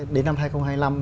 đến năm hai nghìn hai mươi năm